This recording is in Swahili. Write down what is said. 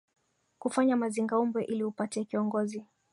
kufanya mazingaumbwe ili upate kiongozi